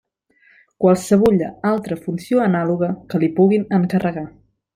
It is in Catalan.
Qualsevulla altra funció anàloga que li puguin encarregar.